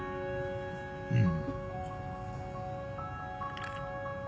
うん。